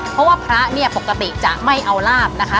เพราะว่าพระเนี่ยปกติจะไม่เอาลาบนะคะ